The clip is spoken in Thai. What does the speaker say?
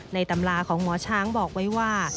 ตำราของหมอช้างบอกไว้ว่า